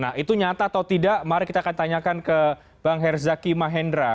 nah itu nyata atau tidak mari kita akan tanyakan ke bang herzaki mahendra